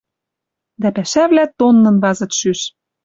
Дӓ пӓшӓвлӓ тоннын вазыт шӱш.